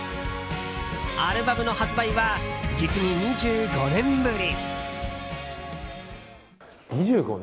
アルバムの発売は実に２５年ぶり。